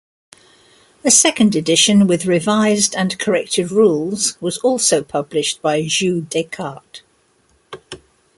A second edition with revised and corrected rules was also published by Jeux Descartes.